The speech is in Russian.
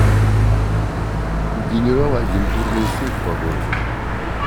У генерала агентурная сеть по городу.